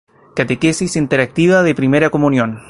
Catequesis interactiva de Primera Comunión